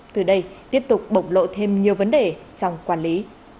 từ đây tiếp tục bộc lộ thêm nhiều vấn đề trong quản lý